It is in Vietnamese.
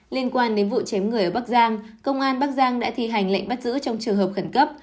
liên quan đến vụ chém người ở bắc giang công an bắc giang đã thi hành lệnh bắt giữ trong trường hợp khẩn cấp